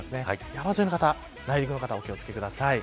山沿いの方、内陸の方お気を付けください。